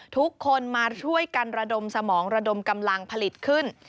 ทุกคนมาช่วยกันระดมสมองระดมกำลังผลิตขึ้น